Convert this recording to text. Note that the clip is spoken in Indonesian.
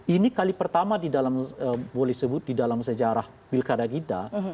ini kali pertama di dalam boleh disebut di dalam sejarah pilkada kita